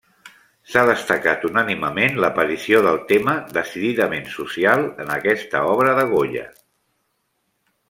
S'ha destacat unànimement l'aparició del tema decididament social en aquesta obra de Goya.